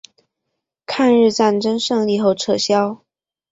抗日战争胜利后撤销。